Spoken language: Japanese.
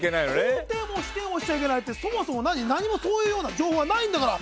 肯定も否定もしちゃいけないって何もそういうような情報がないんだから。